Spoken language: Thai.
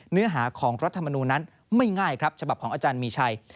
เนื้อหาของรัฐมนูลนั้นไม่ง่ายครับฉบับของอาจารย์มีชัย